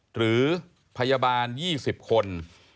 หรือพยาบาล๒๐คน